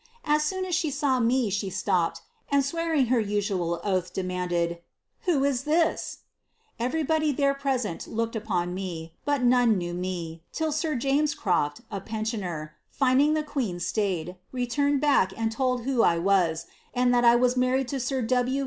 As soon as she saw me she stopped, ani swearing her usual oath, demanded, ' Who ir this ?' Everybody then present looked upon me, but none knew me, til] sir James Croft, a pm eioner, linding the queen stayed, relumed back and told who I was, aK that I had married sir W.